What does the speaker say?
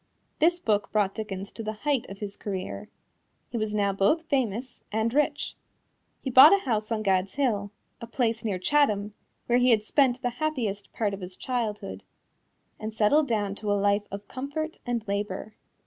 This book brought Dickens to the height of his career. He was now both famous and rich. He bought a house on Gad's Hill a place near Chatham, where he had spent the happiest part of his childhood and settled down to a life of comfort and labor.